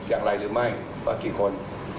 อย่างไรหรือไม่ว่ากี่คน